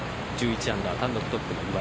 １１アンダー単独トップの岩井。